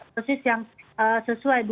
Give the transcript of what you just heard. dosis yang sesuai